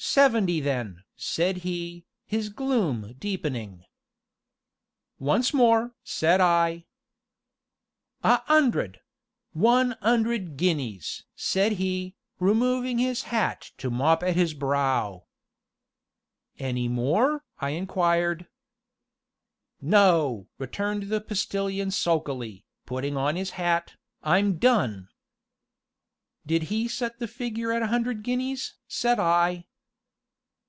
"Seventy then!" said he, his gloom deepening. "Once more!" said I. "A 'undred one 'undred guineas!" said he, removing his hat to mop at his brow. "Any more?" I inquired. "No!" returned the Postilion sulkily, putting on his hat, "I'm done!" "Did he set the figure at a hundred guineas?" said I.